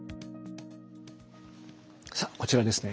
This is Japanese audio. さあこちらですね。